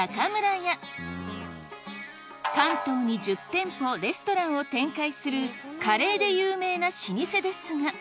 関東に１０店舗レストランを展開するカレーで有名な老舗ですが